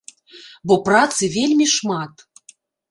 Бо працы вельмі шмат.